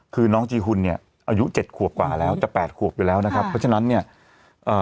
คือน้องจีหุ่นเนี่ยอายุเจ็ดขวบกว่าแล้วแต่แปดขวบอยู่แล้วนะครับเพราะฉะนั้นเนี่ยเอ่อ